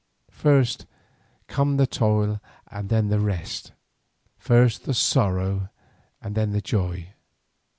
First must come the toil and then the rest, first the sorrow and then the joy.